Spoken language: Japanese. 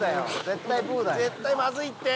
絶対まずいって！